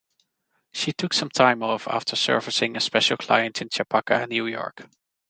She took some time off after "servicing" a special client in Chappaqua, New York.